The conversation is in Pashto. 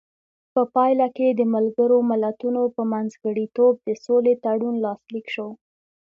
په پایله کې د ملګرو ملتونو په منځګړیتوب د سولې تړون لاسلیک شو.